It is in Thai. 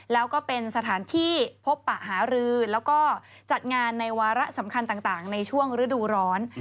แล้วก็เป็นสถานที่พบปะหารือแล้วก็จัดงานในวาระสำคัญต่างในช่วงฤดูร้อน